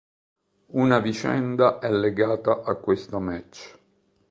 Una vicenda è legata a questo match.